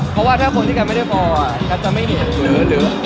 เพราะว่าถ้าคนที่เกิดไม่ได้ฟออ่ะจั๊ดจะไม่เห็น